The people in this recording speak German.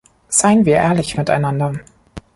Seien wir ehrlich miteinander.